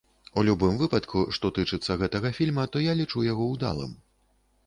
У любым выпадку, што тычыцца гэтага фільма, то я лічу яго ўдалым.